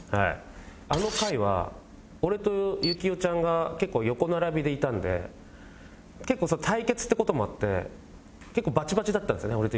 あの回は俺と行雄ちゃんが横並びでいたんで結構対決って事もあって結構バチバチだったんですね